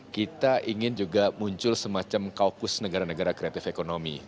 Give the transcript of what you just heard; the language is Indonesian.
kita ingin juga muncul semacam kaukus negara negara kreatif ekonomi